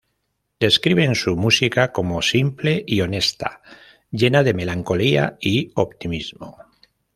Describen su música como "simple y honesta, llena de melancolía y optimismo.